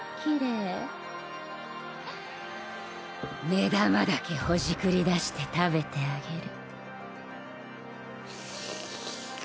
目玉だけほじくり出して食べてあげる。